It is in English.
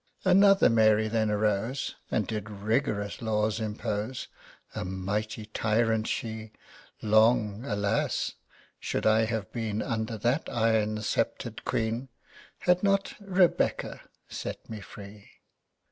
Another Mary then arose And did rigorous laws impose. A mighty tyrant she! Long, alas! should I have been Under that iron scepter'd queen, Had not Rebecca set me free.